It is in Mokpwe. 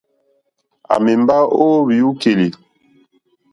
À mèmbá ó hwìúkèlì.